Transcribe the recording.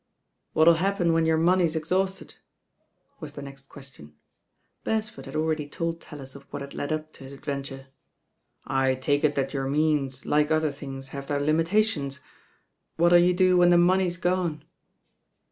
"What'll happen when your money's exhausted?" was the next question. Beresford had already told TaUis of what had led up to his adventure. "I take it that your means, like other things, have their Umitations. What U you do when the money's gone?"